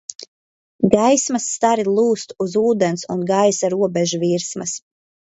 Gaismas stari lūzt uz ūdens un gaisa robežvirsmas.